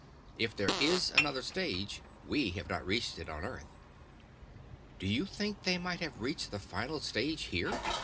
If there is another stage we have not reached it on earth." "Do you think they might have reached the final stage here?"